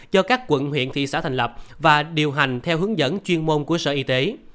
cho các quận huyện thị xã thành lập và điều hành theo hướng dẫn chuyên môn của sở y tế